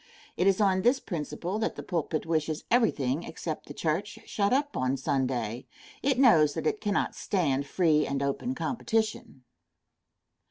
It is on this principle that the pulpit wishes everything, except the church, shut up on Sunday. It knows that it cannot stand free and open competition.